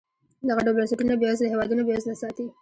دغه ډول بنسټونه بېوزله هېوادونه بېوزله ساتي.